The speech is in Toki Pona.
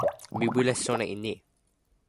mi wile sona e ni.